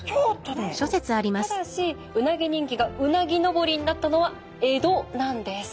ただしうなぎ人気がうなぎのぼりになったのは江戸なんです。